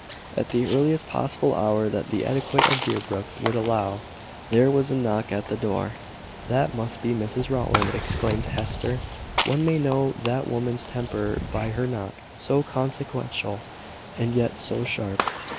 At the earliest possible hour that the etiquette of Deerbrook would allow, there was a knock at the door. "That must be Mrs Rowland," exclaimed Hester. "One may know that woman's temper by her knock so consequential, and yet so sharp.